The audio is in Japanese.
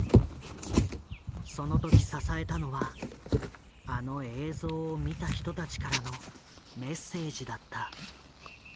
その時支えたのはあの映像を見た人たちからのメッセージだった。